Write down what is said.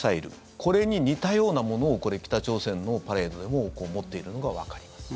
これに似たようなものを北朝鮮のパレードでも持っているのがわかります。